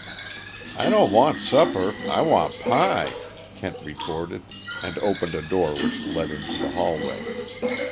"I don't want supper I want pie," Kent retorted, and opened a door which led into the hallway.